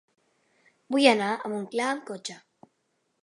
Vull anar a Montclar amb cotxe.